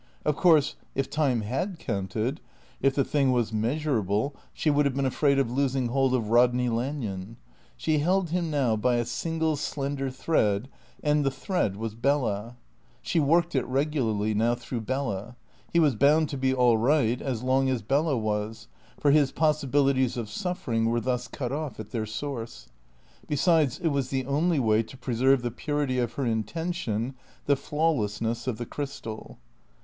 Of course, if time had counted, if the thing was measurable, she would have been afraid of losing hold of Rodney Lanyon. She held him now by a single slender thread, and the thread was Bella. She "worked" it regularly now through Bella. He was bound to be all right as long as Bella was; for his possibilities of suffering were thus cut off at their source. Besides, it was the only way to preserve the purity of her intention, the flawlessness of the crystal.